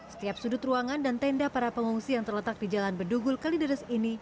setiap sudut ruangan dan tenda para pengungsi yang terletak di jalan bedugul kalideres ini